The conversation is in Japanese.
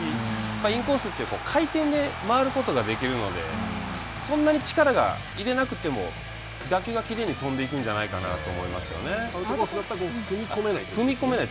インコースって回転で回ることができるのでそんなに力が入れなくても打球がきれいに飛んでいくんじゃないか踏み込めないと。